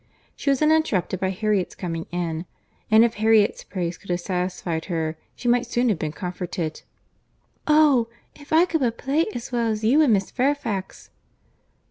She was then interrupted by Harriet's coming in; and if Harriet's praise could have satisfied her, she might soon have been comforted. "Oh! if I could but play as well as you and Miss Fairfax!"